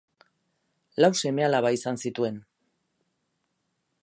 Lau seme alaba izan zituen.